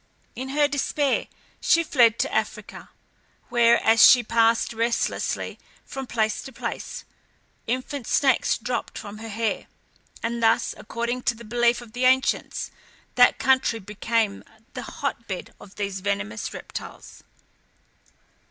In her despair she fled to Africa, where, as she passed restlessly from place to place, infant snakes dropped from her hair, and thus, according to the belief of the ancients, that country became the hotbed of these venomous reptiles.